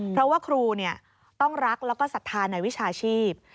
เพราะว่าครูต้องรักแล้วก็ศรัทธาในวิชาชีพ